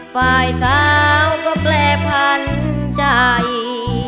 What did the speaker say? ฝ่ายสาวก็แปรพันใจ